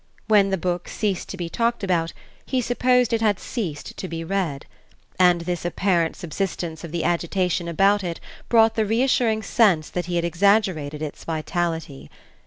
When the book ceased to be talked about he supposed it had ceased to be read; and this apparent subsidence of the agitation about it brought the reassuring sense that he had exaggerated its vitality.